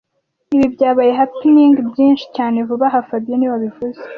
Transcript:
Ibi byabaye happening byinshi cyane vuba aha fabien niwe wabivuze